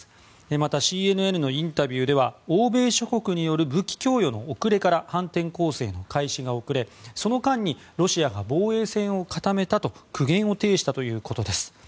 また、ＣＮＮのインタビューでは欧米諸国による武器供与の遅れから反転攻勢の開始が遅れその間にロシアが防衛線を固めたと苦言を呈したということです。